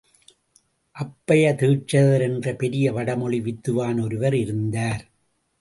அப்பைய தீட்சிதர் என்ற பெரிய வடமொழி வித்துவான் ஒருவர் இருந்தார்.